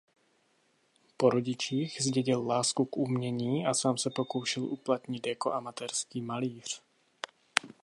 Po rodičích zdědil lásku k umění a sám se pokoušel uplatnit jako amatérský malíř.